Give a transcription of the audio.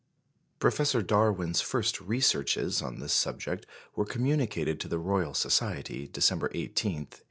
Professor Darwin's first researches on this subject were communicated to the Royal Society, December 18, 1879.